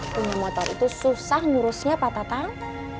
punya motor itu susah ngurusnya pak tatang